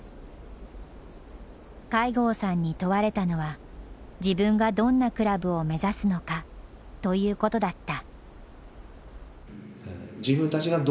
飼牛さんに問われたのは自分がどんなクラブを目指すのかということだった。